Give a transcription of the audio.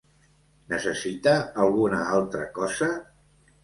Necessita alguna altra cosa?